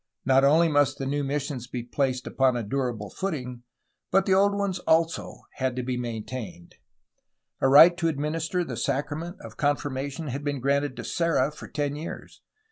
Not only must the new missions be placed upon a durable footing, but the old ones had also to be maintained. A right to administer the sacrament of confirmation had been granted to Serra for ten years.